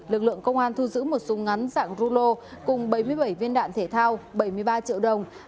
lực lượng công an thu giữ một súng ngắn dạng rulo cùng bảy mươi bảy viên đạn thể thao bảy mươi ba triệu đồng